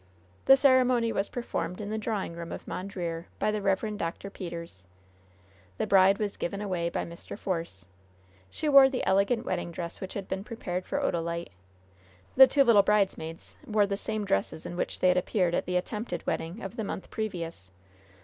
The ceremony was performed in the drawing room of Mondreer, by the Rev. Dr. Peters. The bride was given away by Mr. Force. She wore the elegant wedding dress which had been prepared for Odalite; the two little bridesmaids wore the same dresses in which they had appeared at the attempted wedding of the month previous.